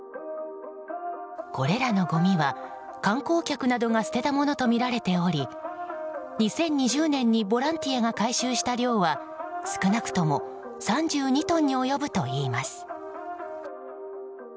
これらのごみは観光客などが捨てたものとみられており２０２０年にボランティアが回収した量は少なくとも３２トンに及ぶといいます。